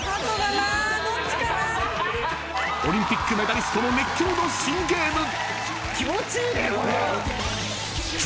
［オリンピックメダリストも熱狂の新ゲーム］